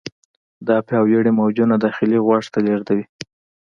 دا پیاوړي موجونه داخلي غوږ ته لیږدوي.